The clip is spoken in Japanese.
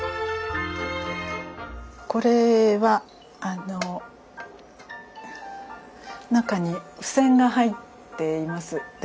これはあの中に付箋が入っています。